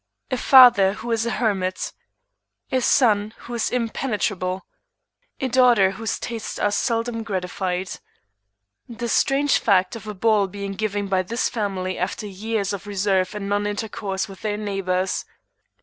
"A father who is a hermit. "A son who is impenetrable. "A daughter whose tastes are seldom gratified. "The strange fact of a ball being given by this family after years of reserve and non intercourse with their neighbors.